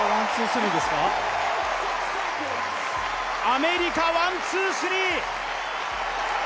アメリカ、ワン・ツー・スリーですか？